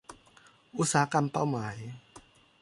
อุตสาหกรรมเป้าหมาย